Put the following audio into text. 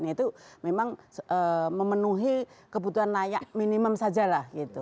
itu memang memenuhi kebutuhan layak minimum saja lah gitu